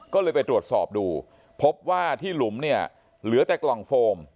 ก็เลยไปตรวจสอบดูพบว่าที่หลุมเนี่ยเหลือแต่กล่องโฟม